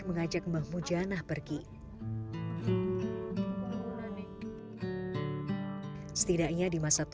kau nggak bisa pernah tahu k desire